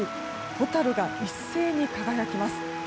ホタルが一斉に輝きます。